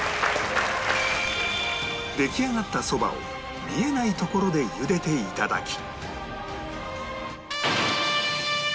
出来上がったそばを見えない所で茹でて頂き